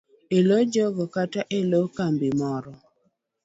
e lo jogo kata e lo kambi moro.